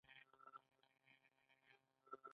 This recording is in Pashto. د شیرین بویې ریښه د معدې د زخم لپاره وکاروئ